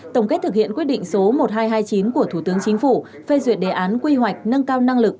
tổng kết thực hiện quyết định số một nghìn hai trăm hai mươi chín của thủ tướng chính phủ phê duyệt đề án quy hoạch nâng cao năng lực